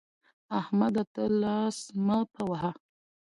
احمده! ته لاس مه په وهه.